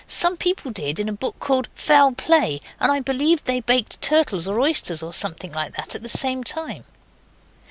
Some people did in a book called Foul Play, and I believe they baked turtles, or oysters, or something, at the same time.